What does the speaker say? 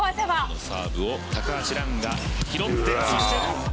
このサーブを高橋藍が拾って、そして。